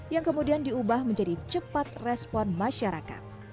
yang kemudian diubah menjadi cepat respon masyarakat